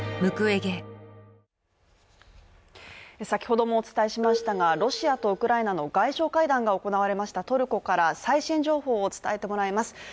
先ほどもお伝えしましたが、ロシアとウクライナの外相会談が行われましたトルコから最新情報を伝えてもらいます。